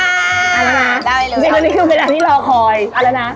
อันนี้คือเวลาที่รอคอยเอาแล้วนะ